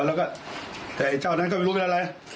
แล้วก็แต่ไอ้เจ้านั้นก็ไม่รู้เป็นอะไร